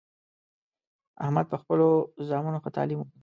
احمد په خپلو زامنو ښه تعلیم وکړ